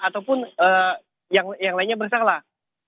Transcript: ataupun yang lainnya bersalah